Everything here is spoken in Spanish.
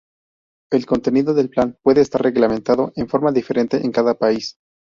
El contenido del plan puede estar reglamentado en forma diferente en cada país.